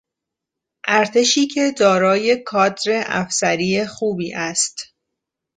ارتشی که دارای کادر افسری خوبی است.